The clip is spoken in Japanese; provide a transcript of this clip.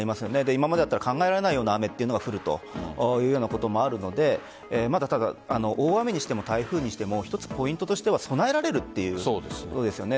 今までなら考えられないような雨が降るというようなこともあるので大雨にしても台風にしてもポイントとしては備えられるということですよね。